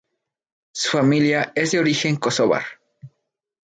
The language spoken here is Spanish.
Su familia es de origen kosovar.